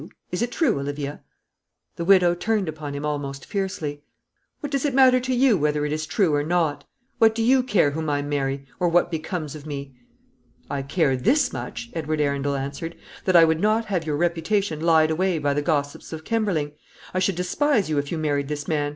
Is it true, Olivia?" The widow turned upon him almost fiercely. "What does it matter to you whether it is true or not? What do you care whom I marry, or what becomes of me?" "I care this much," Edward Arundel answered, "that I would not have your reputation lied away by the gossips of Kemberling. I should despise you if you married this man.